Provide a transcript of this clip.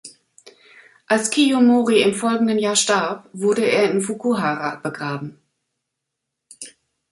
Als Kiyomori im folgenden Jahr starb, wurde er in Fukuhara begraben.